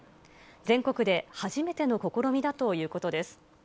全国で初めての試みだということです。